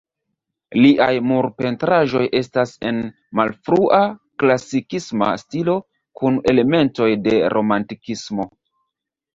Liaj murpentraĵoj estas en malfrua klasikisma stilo kun elementoj de romantikismo.